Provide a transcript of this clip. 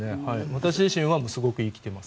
私自身はすごく生きています。